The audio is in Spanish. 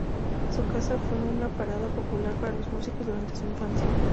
Su casa fue una parada popular para los músicos durante su infancia.